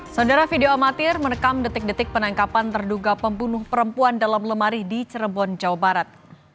saudara video amatir merekam detik detik penangkapan terduga pembunuh perempuan dalam lemari di cirebon jawa barat